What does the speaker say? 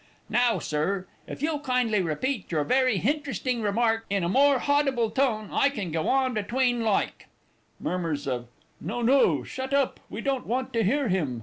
Now, Sir, if you'll kindly repeat your very hinteresting remarks in a more haudible tone, I can go on between like. [_Murmurs of "No no!" "Shut up!" "We don't want to hear him!"